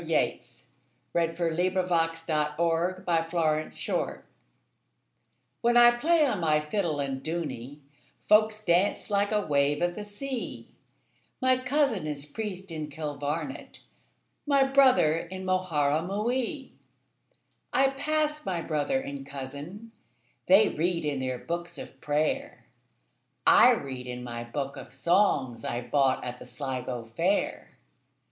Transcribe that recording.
The Wind Among the Reeds. 1899. 11. The Fiddler of Dooney WHEN I play on my fiddle in Dooney, Folk dance like a wave of the sea; My cousin is priest in Kilvarnet, My brother in Moharabuiee.I passed my brother and cousin:They read in their books of prayer;I read in my book of songsI bought at the Sligo fair.